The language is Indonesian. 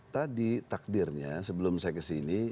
tadi takdirnya sebelum saya ke sini